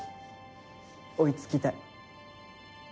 追い付きたい。